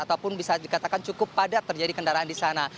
ataupun bisa dikatakan cukup padat terjadi kendaraan disana